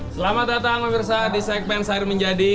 selamat datang mbak mirsa di segmen sair menjadi